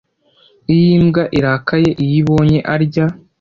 Iyo imbwa irakaye iyo ibonye arya